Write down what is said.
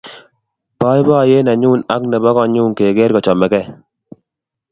Boiboiyet nenyu ak nebo konyu keker kochamegei